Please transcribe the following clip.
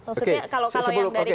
maksudnya kalau yang dari kata bonihnya